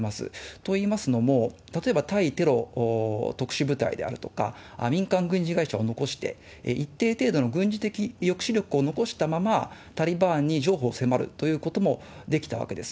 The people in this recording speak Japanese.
と言いますのも、例えば対テロ特殊部隊であるとか、民間軍事会社を残して、一定程度の軍事的抑止力を残したまま、タリバンに譲歩を迫るということもできたわけです。